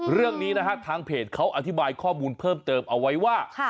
เรื่องนี้นะฮะทางเพจเขาอธิบายข้อมูลเพิ่มเติมเอาไว้ว่า